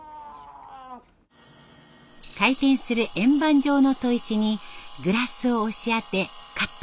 回転する円盤状の砥石にグラスを押し当てカット。